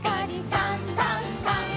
「さんさんさん」